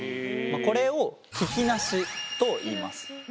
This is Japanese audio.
これを聞きなしといいます。